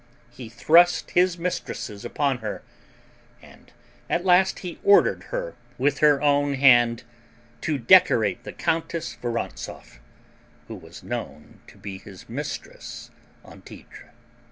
He thrust his mistresses upon her; and at last he ordered her, with her own hand, to decorate the Countess Vorontzoff, who was known to be his maitresse en titre.